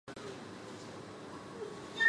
最终红雀扳平系列赛。